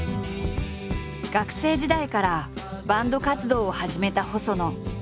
学生時代からバンド活動を始めた細野。